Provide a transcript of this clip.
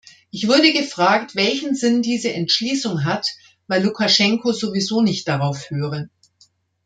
Ich wurde gefragt, welchen Sinn diese Entschließung hat, weil Lukaschenko sowieso nicht darauf höre.